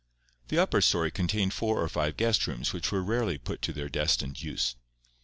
The upper story contained four or five guest rooms which were rarely put to their destined use.